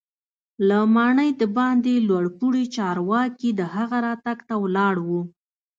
له ماڼۍ دباندې لوړ پوړي چارواکي د هغه راتګ ته ولاړ وو.